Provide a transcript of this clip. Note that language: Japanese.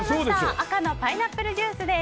赤のパイナップルジュースです。